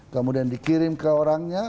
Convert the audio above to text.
kemudian dikirim ke orangnya